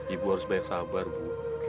ibu harus baik sabar bu